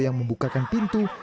yang membukakan pintu